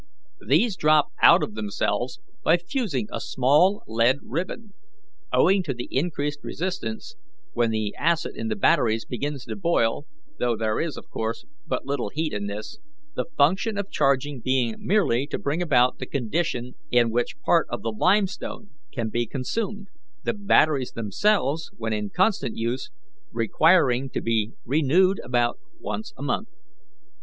These drop out of themselves by fusing a small lead ribbon, owing to the increased resistance, when the acid in the batteries begins to 'boil,' though there is, of course, but little heat in this, the function of charging being merely to bring about the condition in which part of the limestone can be consumed, the batteries themselves, when in constant use, requiring to be renewed about once a month.